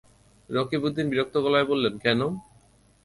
রকিবউদ্দিন বিরক্ত গলায় বললেন, কেন?